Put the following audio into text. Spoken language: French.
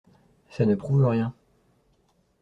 Ça ne prouve rien…